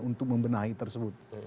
untuk membenahi tersebut